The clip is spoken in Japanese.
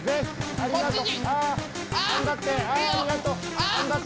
ありがとう！